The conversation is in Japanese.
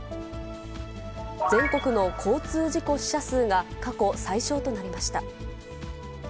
全国の交通事故死者数が、過去最少となりました。